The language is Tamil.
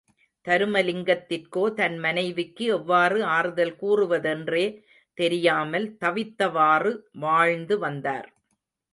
தருமலிங்கத்திற்கோ, தன் மனைவிக்கு எவ்வாறு ஆறுதல் கூறுவதென்றே தெரியாமல், தவித்தவாறு வாழ்ந்து வந்தார்.